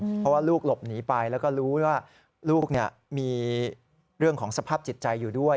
เพราะว่าลูกหลบหนีไปแล้วก็รู้ว่าลูกมีเรื่องของสภาพจิตใจอยู่ด้วย